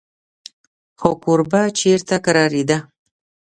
خو کوربه چېرته کرارېده.